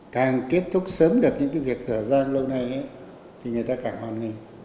càng kết thúc sớm được những việc sở ra lâu nay thì người ta càng hoàn nguyên